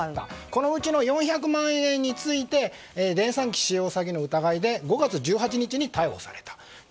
このうちの４００万円について電算機使用詐欺の疑いで５月１８日に逮捕された。